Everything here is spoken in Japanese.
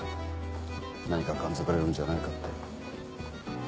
何か感づかれるんじゃないかって。